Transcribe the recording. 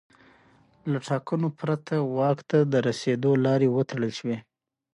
له ټاکنو پرته واک ته د رسېدو لارې وتړل شوې.